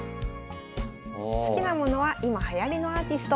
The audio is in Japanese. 好きなものは今はやりのアーティスト。